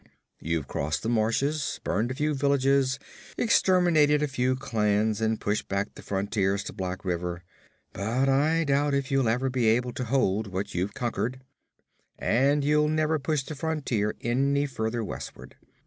You've crossed the marches, burned a few villages, exterminated a few clans and pushed back the frontier to Black River; but I doubt if you'll even be able to hold what you've conquered, and you'll never push the frontier any further westward.